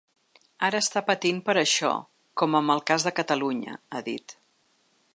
Ara està patint per això, com amb el cas de Catalunya, ha dit.